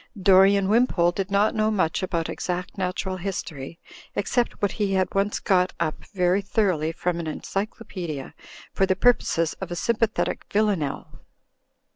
Dorian Wimpole did not know much about exact Natural History, except what he had once got up very thoroughly from an encyclopedia for the purposes of a s)mipathetic vilanelle.